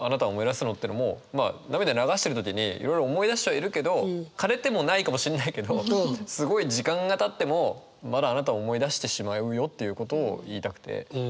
涙流してる時にいろいろ思い出してはいるけどかれてもないかもしれないけどすごい時間がたってもまだあなたを思い出してしまうよっていうことを言いたくて。